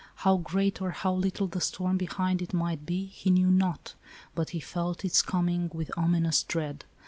How great or how little the storm behind it might be he knew not, but he felt its coming with ominous dread.